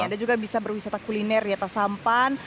ada juga bisa berwisata kuliner riatas sampan